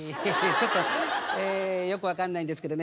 ちょっとよく分かんないんですけどね